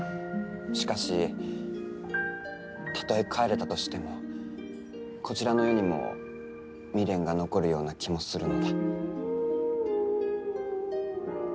しかしたとえ帰れたとしてもこちらの世にも未練が残るような気もするのだ。